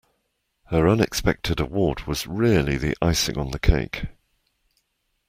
Her unexpected award was really the icing on the cake